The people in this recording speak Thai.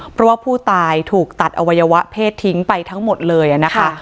เพราะว่าผู้ตายถูกตัดอวัยวะเพศทิ้งไปทั้งหมดเลยนะคะ